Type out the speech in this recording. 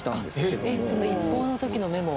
えっその一報の時のメモ。